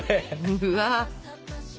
うわ。